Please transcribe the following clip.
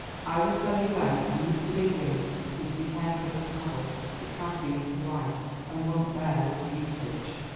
I will tell you when. And, Mr. Bingham, please be careful of the paddle; it has been spliced, and won't bear rough usage."